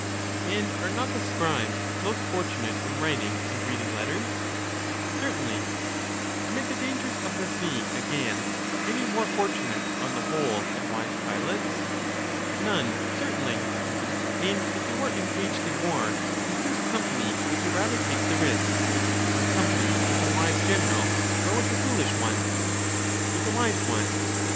And are not the scribes most fortunate in writing and reading letters? Certainly. Amid the dangers of the sea, again, are any more fortunate on the whole than wise pilots? None, certainly. And if you were engaged in war, in whose company would you rather take the risk — in company with a wise general, or with a foolish one ? With a wise one.